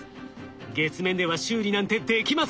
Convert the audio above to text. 月面では修理なんてできません。